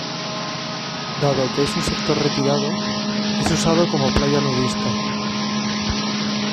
Dado que es un sector retirado, es usado como playa nudista.